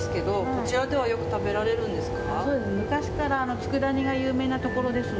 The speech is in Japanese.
こちらではよく食べられるんですか。